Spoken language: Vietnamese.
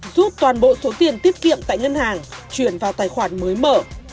giúp toàn bộ số tiền tiết kiệm tại ngân hàng chuyển vào tài khoản mới mở